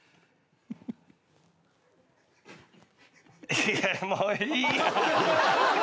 いやもういい。